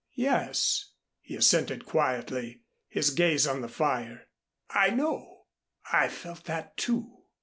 "Yes," he assented quietly, his gaze on the fire. "I know. I felt that, too."